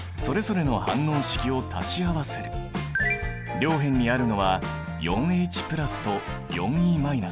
両辺にあるのは４Ｈと４ｅ。